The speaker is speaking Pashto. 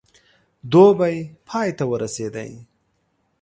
دوبی پای ته ورسېدی.